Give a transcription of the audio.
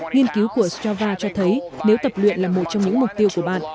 nghiên cứu của strava cho thấy nếu tập luyện là một trong những mục tiêu của bạn